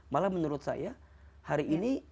malah menurut saya hari ini